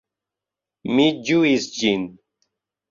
Mi ĝuis ĝin.